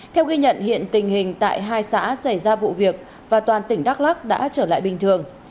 theo ghi nhận hiện tình hình tại hai xã xảy ra vụ việc và toàn tỉnh đắk lắc đã trở lại bình thường